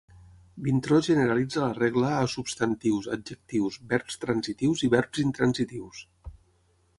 Vintró generalitza la regla a substantius, adjectius, verbs transitius i verbs intransitius.